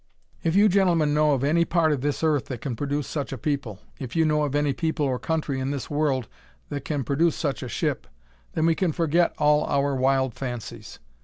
"If you gentlemen know of any part of this earth that can produce such a people, if you know of any people or country in this world that can produce such a ship then we can forget all our wild fancies.